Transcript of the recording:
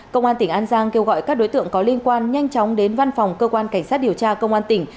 công an tỉnh an giang kêu gọi các đối tượng có liên quan nhanh chóng đến văn phòng cơ quan cảnh sát điều tra công an tỉnh